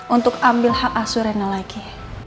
untuk ambil hak asur rina lagi